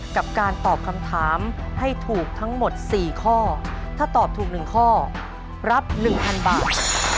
กับการตอบคำถามให้ถูกทั้งหมดสี่ข้อถ้าตอบถูกหนึ่งข้อรับหนึ่งพันบาท